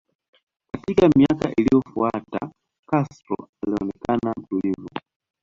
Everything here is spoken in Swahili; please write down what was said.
Katika miaka iliyofuata Castro alionekana mtulivu